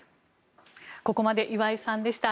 ここまで岩井さんでした。